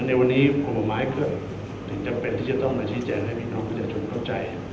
ในวันนี้ผลไม้ก็ถึงจำเป็นที่จะต้องมาชี้แจงให้พี่น้องประชาชนเข้าใจ